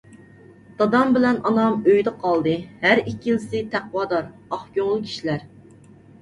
دادام بىلەن ئانام ئۆيدە قالدى، ھەر ئىككىلىسى تەقۋادار، ئاق كۆڭۈل كىشىلەر.